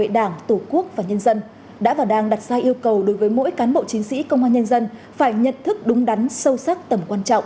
đảng cộng sản việt nam